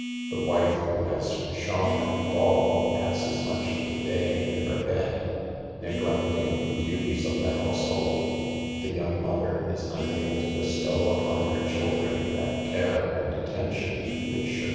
The wife who has shone at the ball, passes much of the day in her bed, neglecting the duties of the household ; the young mother is unable to bestow upon her children that care and attention which should THE EVILS OF DANCING.